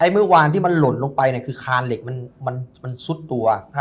เมื่อวานที่มันหล่นลงไปคือคานเหล็กมันซุดตัว